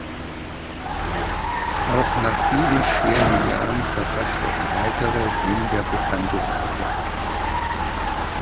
Auch nach diesen schweren Jahren verfasste er weitere, weniger bekannte Werke.